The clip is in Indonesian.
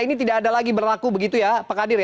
ini tidak ada lagi berlaku begitu ya pak kadir ya